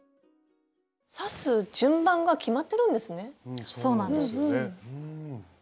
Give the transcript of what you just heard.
刺す順番が決まってるんですね？